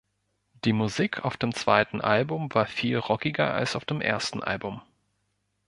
Die Musik auf dem zweiten Album war viel rockiger als auf dem ersten Album.